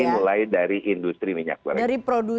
ini mulai dari industri minyak goreng